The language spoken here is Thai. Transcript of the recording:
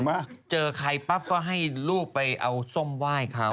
มาเจอใครปั๊บก็ให้ลูกไปเอาส้มไหว้เขา